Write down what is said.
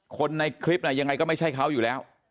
คนในคลิปยังไงก็ไม่ใช่เขาอยู่แล้ว